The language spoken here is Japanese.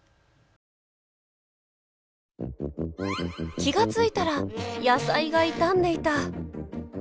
気が付いたら野菜が傷んでいた。